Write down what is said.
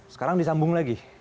sekarang disambung lagi